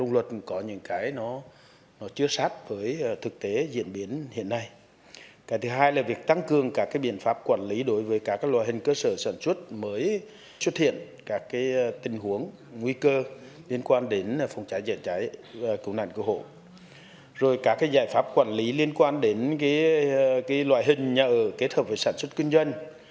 liên quan đến cái loại hình nhà ở kết hợp với sản xuất kinh doanh